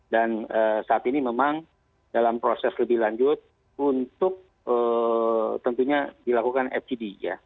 dan saat ini memang dalam proses lebih lanjut untuk tentunya dilakukan fcd ya